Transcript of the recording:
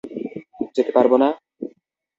যেতে পারব না?